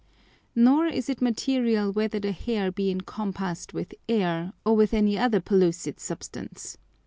Nor is it material whether the Hair be encompassed with Air, or with any other pellucid Substance.